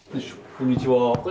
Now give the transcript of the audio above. こんにちは！